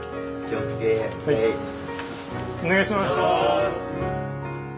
お願いします。